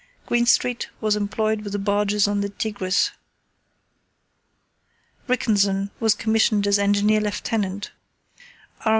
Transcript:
Greenstreet was employed with the barges on the Tigris. Rickenson was commissioned as Engineer Lieutenant, R.N.